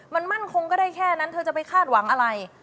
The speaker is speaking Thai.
มันมั่นคงก็ได้แค่นั้นเธอจะไปคาดหวังอะไร